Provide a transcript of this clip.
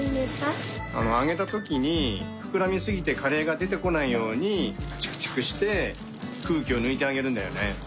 あげたときにふくらみすぎてカレーがでてこないようにチクチクしてくうきをぬいてあげるんだよね。